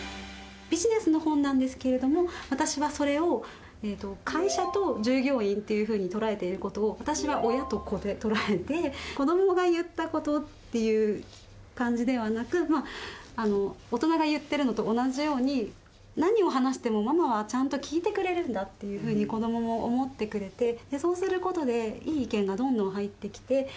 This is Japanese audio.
ビジネスの本なんですけれども、私はそれを会社と従業員というふうに捉えていることを、私は親と子で捉えて、子どもが言ったことっていう感じではなく、大人が言っているのと同じように、何を話してもママはちゃんと聞いてくれるんだっていうふうに、子どもも思ってくれて、そうすることで、いい意見がどんどん入ってきて。